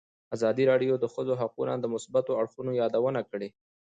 ازادي راډیو د د ښځو حقونه د مثبتو اړخونو یادونه کړې.